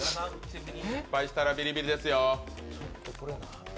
失敗したらビリビリですよ。